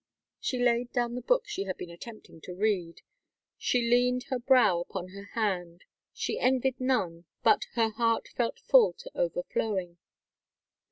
She laid down the book she had been attempting to read. She leaned her brow upon her hand; she envied none, but her heart felt full to over flowing.